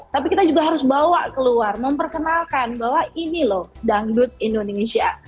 tapi kita juga harus bawa keluar memperkenalkan bahwa ini loh dangdut indonesia